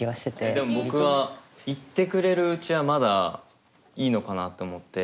でも僕は言ってくれるうちはまだいいのかなと思って。